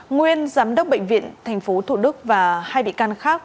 nguyên giám đốc bệnh viện tp thủ đức và hai bị can khác